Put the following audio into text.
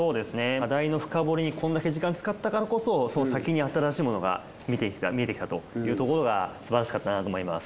課題の深掘りにこんだけ時間使ったからこそその先に新しいものが見えてきたというところがすばらしかったなと思います。